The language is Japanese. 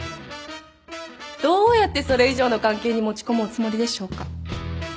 どうやってそれ以上の関係に持ち込むおつもりでしょうか？